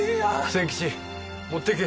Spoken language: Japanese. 仙吉持っていけ！